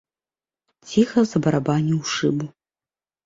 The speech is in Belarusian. Ціха забарабаніў у шыбу.